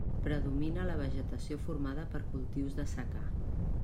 Predomina la vegetació formada per cultius de secà.